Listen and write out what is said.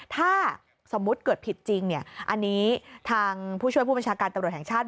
ถ้าสมมุติเกิดผิดจริงอันนี้ทางผู้ช่วยผู้บัญชาการตำรวจแห่งชาติ